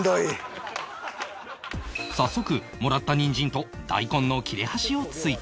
早速もらったニンジンと大根の切れ端を追加